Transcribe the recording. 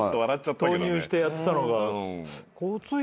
投入してやってたのが。